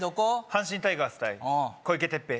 阪神タイガース対小池徹平